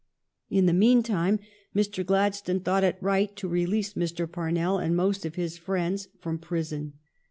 In the mean time Mr. Glad stone thought it right to release Mr. Parnell and most of his friends from prison.